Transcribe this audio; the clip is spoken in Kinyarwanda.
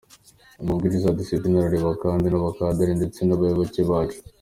Amabwiriza ya discipline arareba kandi n’aba cadre ndetse n’abayoboke bacu.